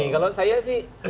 kalau saya sih